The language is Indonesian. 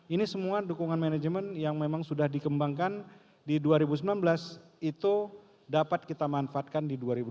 ini semua dukungan manajemen yang memang sudah dikembangkan di dua ribu sembilan belas itu dapat kita manfaatkan di dua ribu dua puluh